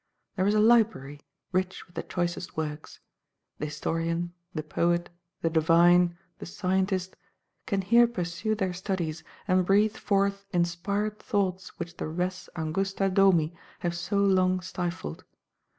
There is a Library, rich with the choicest works. The Historian, the Poet, the Divine, the Scientist, can here pursue their studies, and breathe forth inspired thoughts which the res angusta domi have so long stifled.